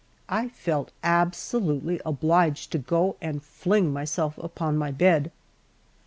I felt absolutely obliged to go and fling myself upon my bed.